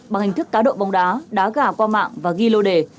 bằng hình thức cá độ bóng đá đá gà qua mạng và ghi lô đề